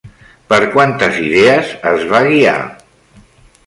Per quantes idees es va guiar?